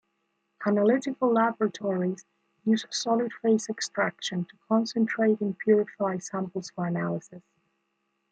Analytical laboratories use solid phase extraction to concentrate and purify samples for analysis.